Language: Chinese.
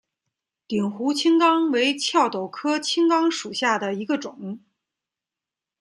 鼎湖青冈为壳斗科青冈属下的一个种。